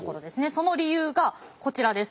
その理由がこちらです。